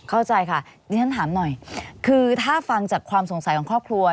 เข้าใจค่ะดิฉันถามหน่อยคือถ้าฟังจากความสงสัยของครอบครัว